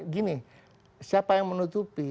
gini siapa yang menutupi